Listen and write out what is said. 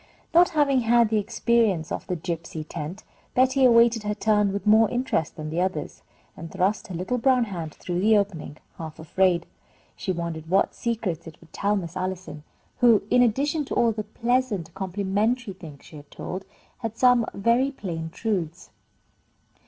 Not having had the experience of the gypsy tent, Betty awaited her turn with more interest than the others, and thrust her little brown hand through the opening, half afraid. She wondered what secrets it would tell Miss Allison, who, in addition to all the pleasant, complimentary things she had told, had added some very plain truths.